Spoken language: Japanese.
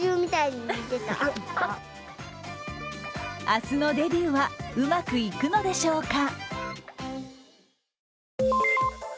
明日のデビューはうまくいくのでしょうか。